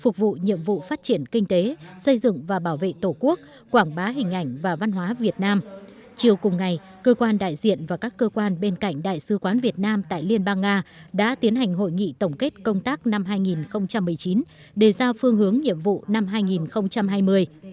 chiều cùng ngày cơ quan đại diện và các cơ quan bên cạnh đại sứ quán việt nam tại liên bang nga đã tiến hành hội nghị tổng kết công tác năm hai nghìn một mươi chín đề ra phương hướng nhiệm vụ năm hai nghìn hai mươi